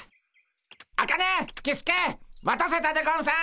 アカネキスケ待たせたでゴンス。